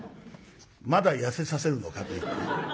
まだ痩せさせるのかと言って。